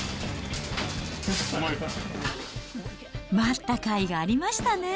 待ったかいがありましたね。